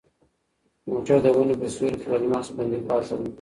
موټر د ونې په سیوري کې له لمر څخه خوندي پاتې و.